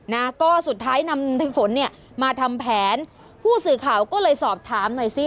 นะก็สุดท้ายนำในฝนเนี่ยมาทำแผนผู้สื่อข่าวก็เลยสอบถามหน่อยสิ